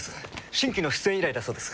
新規の出演依頼だそうです。